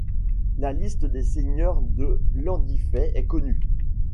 La liste des seigneurs de Landifay est connue.